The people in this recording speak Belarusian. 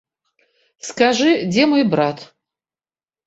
Скажы, дзе мой брат?